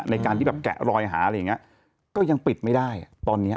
ในการที่แบบแกะรอยหาอะไรอย่างเงี้ยก็ยังปิดไม่ได้ตอนเนี้ย